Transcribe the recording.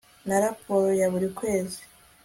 na raporo ya buri kwezi